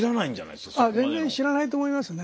あっ全然知らないと思いますね。